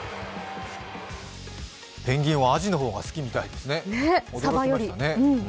ペンギンはあじの方が好きみたいですね、驚きましたね。